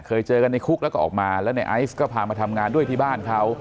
เจอกันในคุกแล้วก็ออกมาแล้วในไอซ์ก็พามาทำงานด้วยที่บ้านเขา